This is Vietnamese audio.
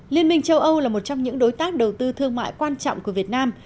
liên minh châu âu là một trong những đối tác đầu tư thương mại quan trọng của việt nam